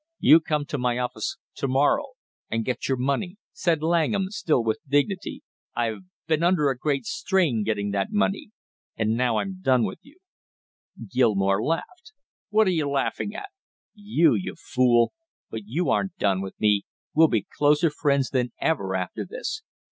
"You come to my office to morrow and get your money," said Langham, still with dignity. "I've been under a great strain getting that money, and now I'm done with you " Gilmore laughed. "What are you laughing at?" "You, you fool! But you aren't done with me; we'll be closer friends than ever after this.